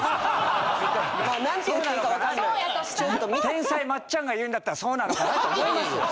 天才松ちゃんが言うんだったらそうなのかなと思いますよ。